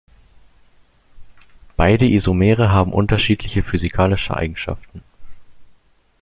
Beide Isomere haben unterschiedliche physikalische Eigenschaften.